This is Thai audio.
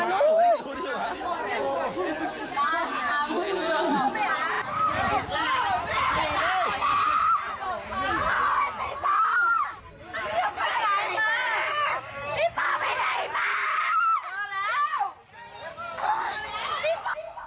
พี่ป่าไปไหนมา